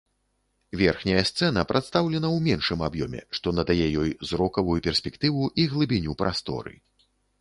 Верхняя сцэна прадстаўлена ў меншым аб'ёме, што надае ёй зрокавую перспектыву і глыбіню прасторы.